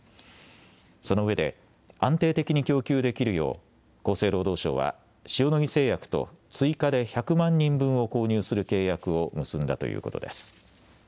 その上で、安定的に供給できるよう、厚生労働省は、塩野義製薬と追加で１００万人分を購入する契約を結んだということです。